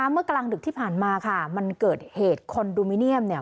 เมื่อกลางดึกที่ผ่านมาค่ะมันเกิดเหตุคอนโดมิเนียมเนี่ย